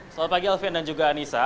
selamat pagi alfian dan juga anissa